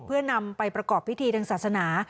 เพื่อนำไปประกอบพิธีทางศาสนา